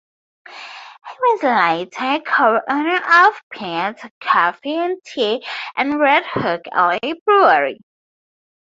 He was later a co-owner of Peet's Coffee and Tea and Redhook Ale Brewery.